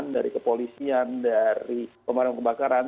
dari kepolisian dari pemadam kebakaran